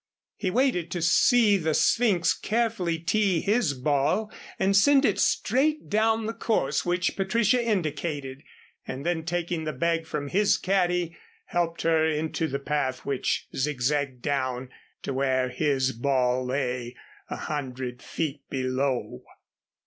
He waited to see the Sphynx carefully tee his ball and send it straight down the course which Patricia indicated, and then taking the bag from his caddy helped her into the path which zig zagged down to where his ball lay, a hundred feet below.